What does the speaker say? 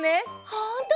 ほんとだ！